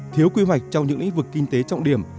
thiếu quy hoạch trong những lĩnh vực kinh tế trọng điểm